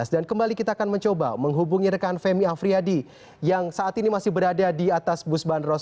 dan kembali kita akan mencoba menghubungi rekan femi afriyadi yang saat ini masih berada di atas bus bandros